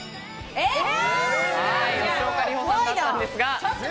吉岡里帆さんだったんですが。